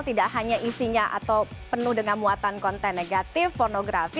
tidak hanya isinya atau penuh dengan muatan konten negatif pornografi